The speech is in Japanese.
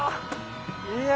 いや！